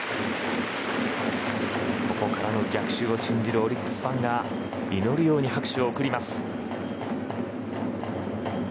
ここからの逆襲を信じるオリックスファンが祈るように拍手を送ります。